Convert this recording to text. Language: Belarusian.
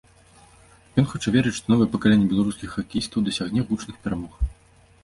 Ён хоча верыць, што новае пакаленне беларускіх хакеістаў дасягне гучных перамог.